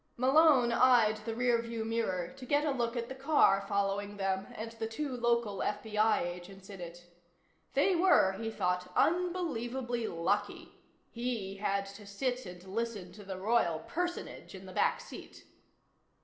Malone eyed the rearview mirror to get a look at the car following them and the two local FBI agents in it. They were, he thought, unbelievably lucky. He had to sit and listen to the Royal Personage in the back seat.